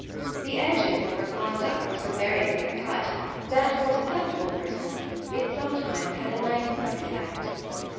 The edges of her conduct were so very clear cut that for susceptible persons it sometimes had a knife like effect.